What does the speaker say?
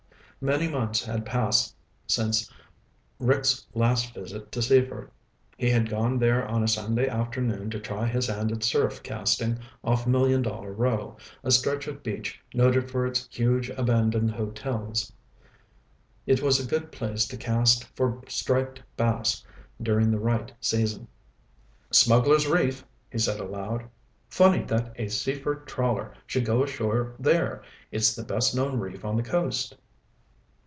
Many months had passed since Rick's last visit to Seaford. He had gone there on a Sunday afternoon to try his hand at surf casting off Million Dollar Row, a stretch of beach noted for its huge, abandoned hotels. It was a good place to cast for striped bass during the right season. "Smugglers' Reef," he said aloud. "Funny that a Seaford trawler should go ashore there. It's the best known reef on the coast."